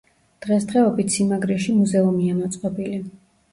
დღესდღეობით სიმაგრეში მუზეუმია მოწყობილი.